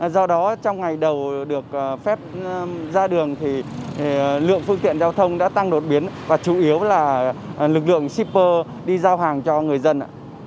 do đó trong ngày đầu được phép ra đường thì lượng phương tiện giao thông đã tăng đột biến và chủ yếu là lực lượng shipper đi giao hàng cho người dân